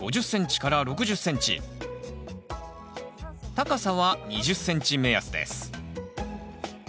高さは２０ｃｍ目安です